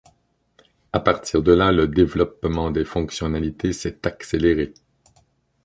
À partir de là, le développement des fonctionnalités s'est accéléré.